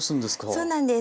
そうなんです。